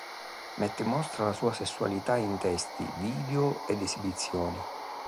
Mette in mostra la sua sessualità in testi, video ed esibizioni.